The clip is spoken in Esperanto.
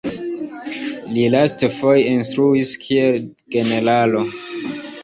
Li lastfoje instruis kiel generalo.